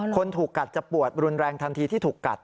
คนถูกกัดจะปวดรุนแรงทันทีที่ถูกกัด